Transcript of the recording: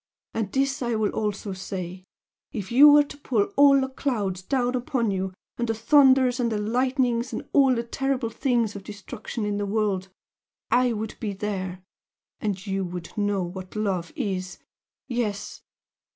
And this I will also say if you were to pull all the clouds down upon you and the thunders and the lightnings and all the terrible things of destruction in the world, I would be there! And you would know what love is! Yes!"